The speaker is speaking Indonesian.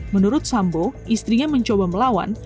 menurut sambo istrinya mencoba melawan